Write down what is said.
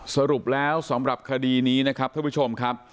สรุปแล้วสำหรับคดีนี้นะครับท่านผู้ชมครับ